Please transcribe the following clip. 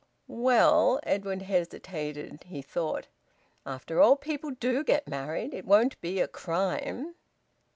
"Well " Edwin hesitated. He thought, "After all, people do get married. It won't be a crime."